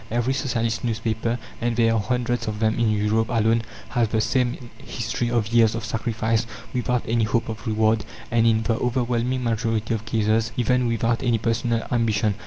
Every Socialist newspaper and there are hundreds of them in Europe alone has the same history of years of sacrifice without any hope of reward, and, in the overwhelming majority of cases, even without any personal ambition.